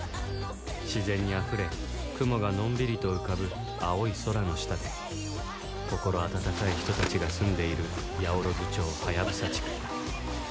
自然にあふれ雲がのんびりと浮かぶ青い空の下で心温かい人たちが住んでいる八百万町ハヤブサ地区